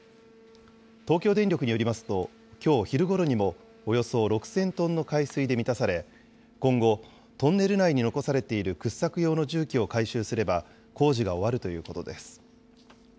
東京電力によりますと、きょう昼ごろにもおよそ６０００トンの海水で満たされ、今後、トンネル内に残されている掘削用の重機を回収すれば、工事が終わるということです。